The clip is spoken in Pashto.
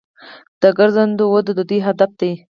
د ګرځندوی وده د دوی هدف دی.